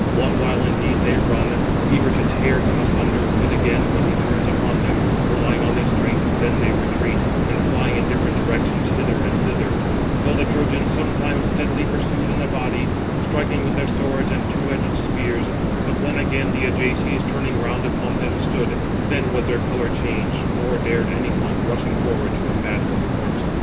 One while indeed they run, eager to tear him asunder, but again, when he turns upon them, relying on his strength, then they retreat, and fly in different directions hither and thither: so the Trojans sometimes steadily pursued in a body, striking with their swords and two edged spears; but when again the Ajaces, turning round upon them, stood, then was their colour changed, nor dared any one, rushing forward, to combat for the corpse.